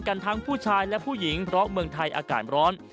กันทั้งผู้ชายและผู้หญิงเพราะเมืองไทยอากาศร้อน